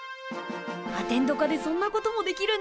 アテンド科でそんなこともできるんだね。